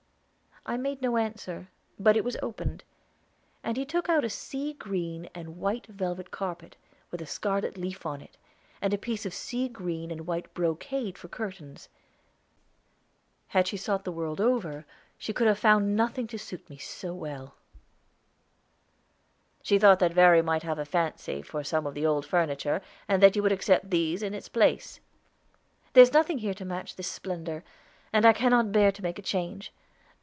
"I made no answer; but it was opened, and he took out a sea green and white velvet carpet, with a scarlet leaf on it, and a piece of sea green and white brocade for curtains. Had she sought the world over, she could have found nothing to suit me so well. "She thought that Verry might have a fancy for some of the old furniture, and that you would accept these in its place." "There's nothing here to match this splendor, and I cannot bear to make a change.